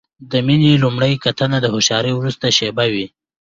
د مینې لومړۍ کتنه د هوښیارۍ وروستۍ شېبه وي.